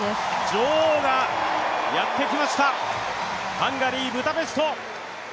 女王がやってきました、ハンガリー・ブダペスト。